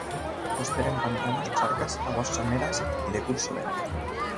Prospera en pantanos, charcas, aguas someras y de curso lento.